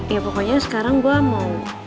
ya pokoknya sekarang gue mau